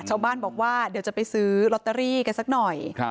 ชาวบ้านบอกว่าเดี๋ยวจะไปซื้อลอตเตอรี่กันสักหน่อย